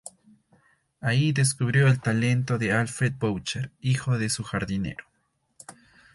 Allí descubrió el talento de Alfred Boucher, hijo de su jardinero.